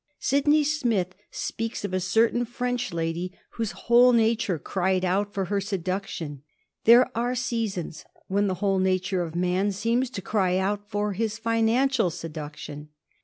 Sydney Smith speaks of a certain French lady whose whole nature cried out for her seduction. There are seasons when the whole nature of man seems to cry out for his financial seduction.